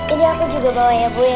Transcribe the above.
ini aku juga bawa ya bu ya